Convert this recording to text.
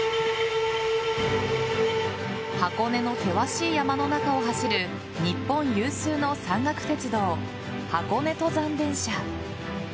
箱根の険しい山の中を走る日本有数の山岳鉄道箱根登山電車。